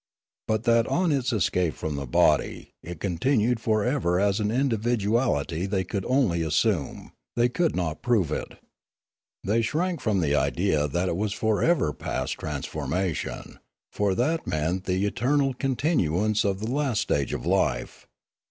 But that on its escape from the body it continued for ever as an individuality they could only assume; they could not prove it. They shrank from the idea that it was for ever past transformation; for that meant the eternal continuance of the last stage of life.